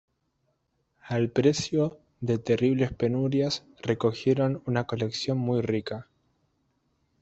Al precio de terribles penurias, recogieron una colección muy rica.